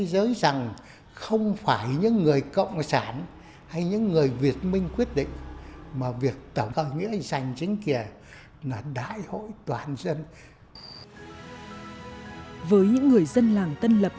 với những người dân làng tân lập